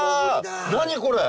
何これ！